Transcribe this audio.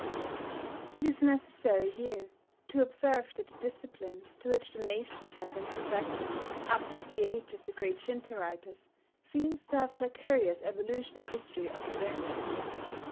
It is necessary here to observe that the discipline to which the nation had been subjected up to the age of the great Shinto writers, seems to have had a curious evolutional history of its own.